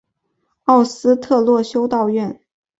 奥斯特洛修道院。